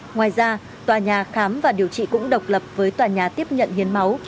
ngoài ra tòa nhà khám và điều trị cũng độc lập với tòa nhà tiếp nhận hiến máu